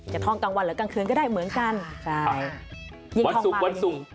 ท่องกลางวันหรือกลางคืนก็ได้เหมือนกันใช่เย็นวันศุกร์วันศุกร์